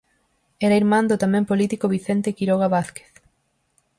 Era irmán do tamén político Vicente Quiroga Vázquez.